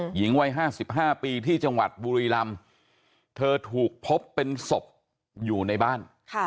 หญิงวัย๕๕ปีที่จังหวัดบุรีลำเธอถูกพบเป็นศพอยู่ในบ้าน